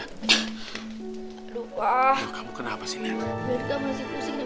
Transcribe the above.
aduh wah kamu kenapa sih nek aduh wah kamu kenapa sih nek